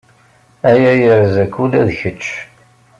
Aya yerza-k ula d kečč.